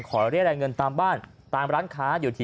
ขอเรียนรายเงินตามบ้านตามร้านค้า